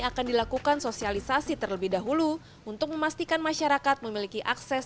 akan dilakukan sosialisasi terlebih dahulu untuk memastikan masyarakat memiliki akses